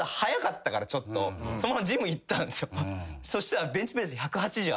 そしたら。